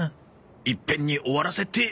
いっぺんに終わらせて。